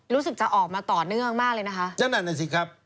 รู้สึกจะออกมาต่อเนื่องมากเลยนะคะ